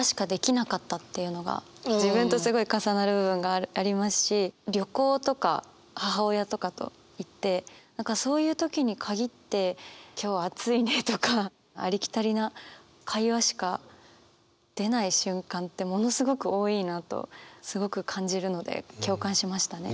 自分とすごい重なる部分がありますし旅行とか母親とかと行って何かそういう時に限って「今日暑いね」とかありきたりな会話しか出ない瞬間ってものすごく多いなとすごく感じるので共感しましたね。